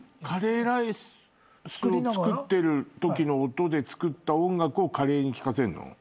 カレーライスを作ってるときの音で作った音楽をカレーに聴かせんの？